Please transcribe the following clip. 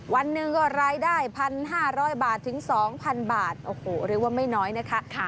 วันหนึ่งก็รายได้๑๕๐๐บาทถึง๒๐๐บาทโอ้โหเรียกว่าไม่น้อยนะคะ